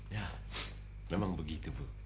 ya memang begitu bu